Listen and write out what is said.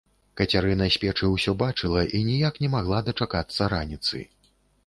Кацярына з печы ўсё бачыла і ніяк не магла дачакацца раніцы.